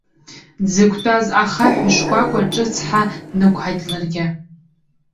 Дзықәтәаз ахаҳә шкәакәа ҿыцха днықәҳаит ларгьы.